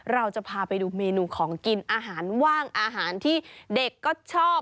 เราจะพาไปดูเมนูของกินอาหารว่างอาหารที่เด็กก็ชอบ